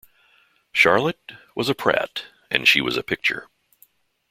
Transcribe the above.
Charlotte... was a Pratt; and she was a picture.